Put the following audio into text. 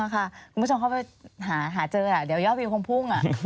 อ๋อค่ะคุณผู้ชมเข้าไปหาเจออ่ะเดี๋ยวยอบวิวคงพุ่งอ่ะ